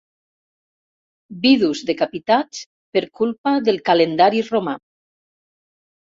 Vidus decapitats per culpa del calendari romà.